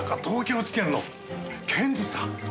東京地検の検事さん。